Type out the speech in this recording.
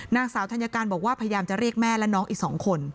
นางสาวธัญการบอกว่าพยายามจะเรียกแม่และน้องอีก๒คน